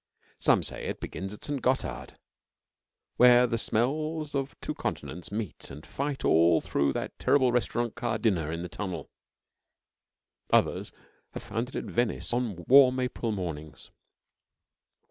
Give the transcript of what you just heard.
Some say it begins at St. Gothard, where the smells of two continents meet and fight all through that terrible restaurant car dinner in the tunnel. Others have found it at Venice on warm April mornings.